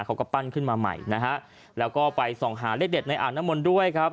เขาก็ปั้นขึ้นมาใหม่นะฮะแล้วก็ไปส่องหาเลขเด็ดในอ่างน้ำมนต์ด้วยครับ